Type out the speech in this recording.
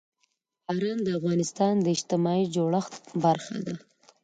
باران د افغانستان د اجتماعي جوړښت برخه ده.